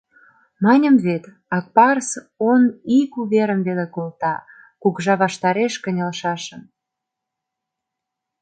— Маньым вет: Акпарс он ик уверым веле колта — кугыжа ваштареш кынелшашым.